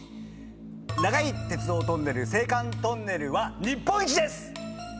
長い鉄道トンネル青函トンネルは日本一です。